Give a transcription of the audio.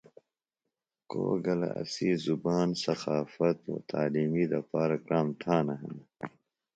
کو گلہ اسی زبان و ثقافت و تعلیمی دپارہ کرام تھانہ ہِنہ۔